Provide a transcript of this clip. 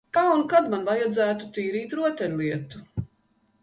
Kā un kad man vajadzētu tīrīt rotaļlietu?